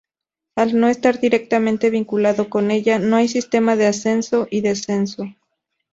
Al no estar directamente vinculado con ella no hay sistema de ascenso y descenso.